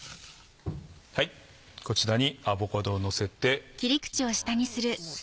こちらにアボカドをのせていきます。